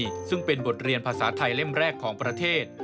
ซึ่งเป็นบทเรียนภาษาไทยเล่มแรกของประเทศ